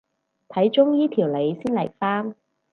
睇中醫調理先嚟返